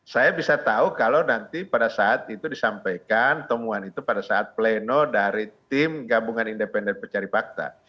saya bisa tahu kalau nanti pada saat itu disampaikan temuan itu pada saat pleno dari tim gabungan independen pencari fakta